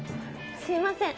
すいません。